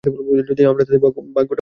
যদি আমরা তাদের ভাগ্য বদলাতে পারি?